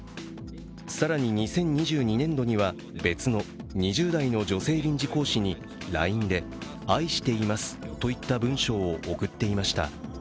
更に２０２２年度には別の２０代の女性臨時講師にＬＩＮＥで愛していますといった文章を送っていました。